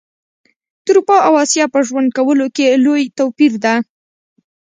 د اروپا او اسیا په ژوند کولو کي لوي توپیر ده